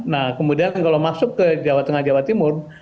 nah kemudian kalau masuk ke jawa tengah jawa timur